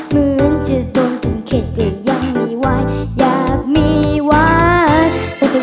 เหมือนจะดมทุนเครตัวยังไม่ไหว